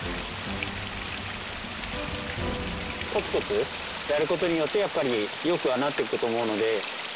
コツコツやる事によってやっぱり良くはなっていくと思うので。